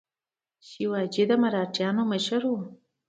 شیواجي د مراتیانو مشر و.